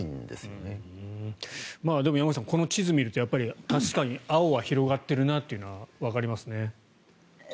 でも、山口さんこの地図を見ると確かに青が広がってるなというのがわかりますね。